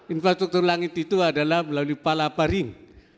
infrastruktur langit itu adalah melalui palaparing